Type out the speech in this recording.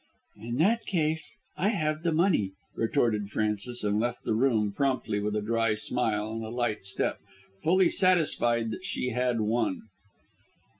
"In that case I have the money," retorted Frances, and left the room promptly with a dry smile and a light step, fully satisfied that she had won.